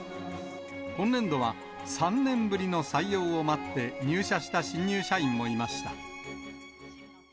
今年度は３年ぶりの採用を待って、入社した新入社員もいました。